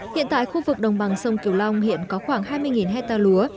hiện tại khu vực đồng bằng sông kiều long hiện có khoảng hai mươi hectare lúa